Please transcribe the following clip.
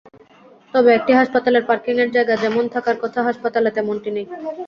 তবে একটি হাসপাতালের পার্কিংয়ের জায়গা যেমন থাকার কথা, হাসপাতালে তেমনটি নেই।